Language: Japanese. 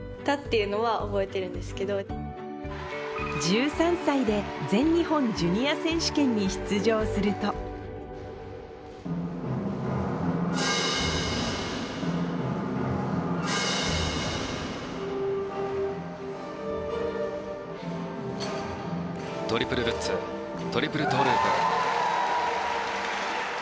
１３歳で全日本ジュニア選手権に出場するとトリプルルッツトリプルトウループ。